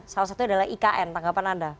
salah satunya adalah ikn tanggapan anda